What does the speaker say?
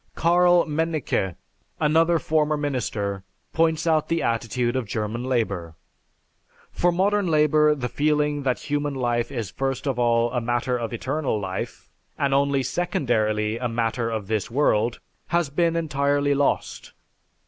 Karl Mennicke, another former minister, points out the attitude of German Labor. "For modern labor the feeling that human life is first of all a matter of eternal life, and only secondarily a matter of this world, has been entirely lost.